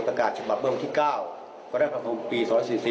ประกาศฉบับเบิ้ลพิศาล๙กฎคปี๒๐๑๐